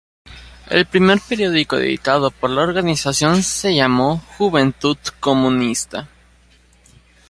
El primer periódico editado por la organización se llamó "Juventud Comunista".